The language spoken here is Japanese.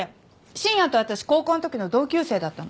深夜と私高校の時の同級生だったの。